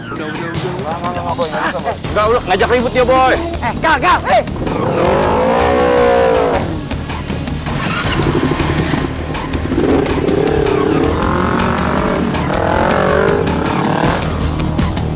udah udah udah